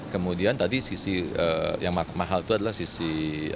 kemudian tadi sisi yang mahal itu adalah sisi